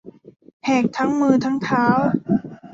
แหกทั้งมือทั้งเท้า